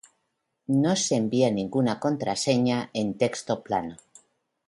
no se envía ninguna contraseña en texto plano.